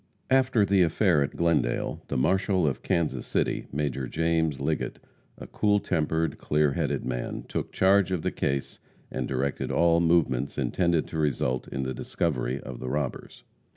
After the affair at Glendale, the marshal of Kansas City, Major James Liggett, a cool tempered, clear headed man, took charge of the case and directed all movements intended to result in the discovery of the robbers.